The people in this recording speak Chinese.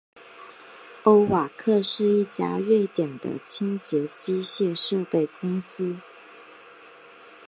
欧瓦克是一家瑞典的清洁机械设备公司。